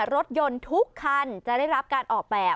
รถยนต์ทุกคันจะได้รับการออกแบบ